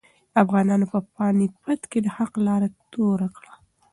افغانانو په پاني پت کې د حق لاره توره کړه.